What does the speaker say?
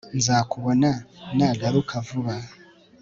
nzakubona nagaruka vuba